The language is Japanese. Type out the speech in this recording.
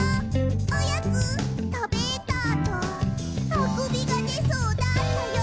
「おやつ、たべたあとあくびがでそうだったよ」